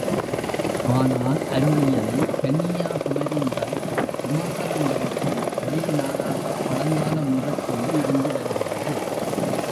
ஆனால் அருள் இயலில் கன்னியாகுமரி முதல் இமாசலம் வரைக்கும் ஒரே நாடாகப் பழங்காலம் முதற்கொண்டு இருந்து வருகிறது.